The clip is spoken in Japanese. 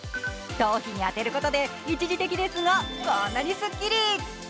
頭皮に当てることで、一時的ですが、こんなにすっきり。